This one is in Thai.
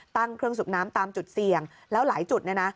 ตั้งเครื่องสูบน้ำตามจุดเสี่ยงแล้วหลายจุดเนี่ยนะ